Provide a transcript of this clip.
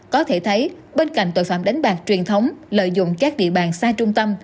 có thể thấy bên cạnh tội phạm đánh bạc truyền thống lợi dụng các địa bàn xa trung tâm